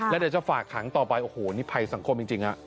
แล้วเดี๋ยวจะฝากขังต่อไปโอ้โหนี่ภัยสังคมจริงฮะ